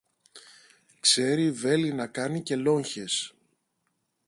ξέρει βέλη να κάνει και λόγχες